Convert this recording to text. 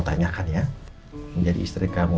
tanyakan ya menjadi istri kamu